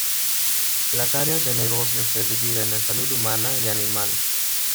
Las áreas de negocios se dividen en salud humana y animal.